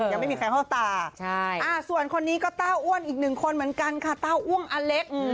ยังไม่มีใครเข้าตาส่วนคนนี้ก็ต้าอ้วนอีกหนึ่งคนเหมือนกันค่ะต้าอ้วนอเล็ก